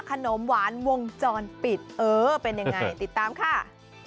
ขนมหวานวงจรปิดเออเป็นยังไงติดตามค่ะ